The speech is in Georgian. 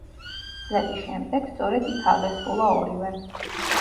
წლების შემდეგ სწორედ იქ აღესრულა ორივე.